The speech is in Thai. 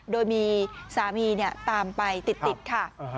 โดยมีสามีตามไปติดค่ะ